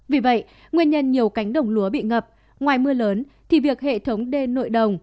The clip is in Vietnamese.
vì vậy nguyên nhân nhiều cánh đồng lúa bị ngập ngoài mưa lớn thì việc hệ thống đê nội đồng